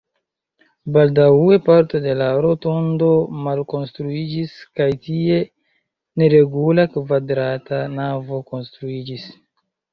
Baldaŭe parto de la rotondo malkonstruiĝis kaj tie neregula kvadrata navo konstruiĝis.